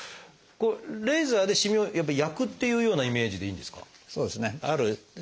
レーザーでしみをやっぱ焼くっていうようなイメージでいいんですか？